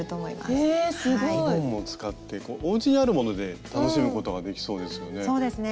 リボンも使っておうちにあるもので楽しむことができそうですよね。